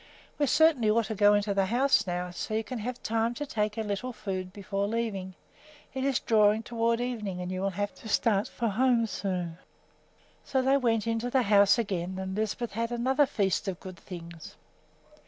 We certainly ought to go into the house now, so that you can have time to take a little food before leaving. It is drawing toward evening and you will have to start for home soon." So they went into the house again, and Lisbeth had another feast of good things.